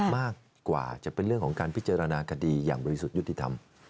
มากกว่าจะเป็นเรื่องของการพิจารณาคดีอย่างบริสุทธิ์ยุติธรรม